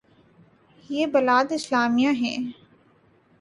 یہ بلاد اسلامیہ ہیں۔